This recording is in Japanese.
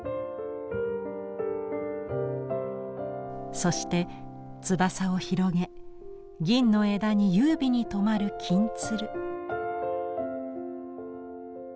そして翼を広げ銀の枝に優美にとまる金鶴。